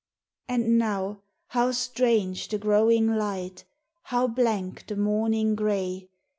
And now, how strange the growing light, How blank the morning gray